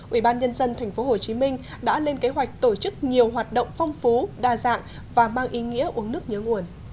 ủy ban nhân dân tp hcm đã lên kế hoạch tổ chức nhiều hoạt động phong phú đa dạng và mang ý nghĩa uống nước nhớ nguồn